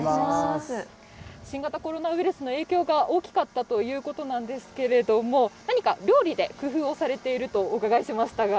新型コロナウイルスの影響が大きかったということなんですけれども、何か料理で工夫をされているとお伺いしましたが。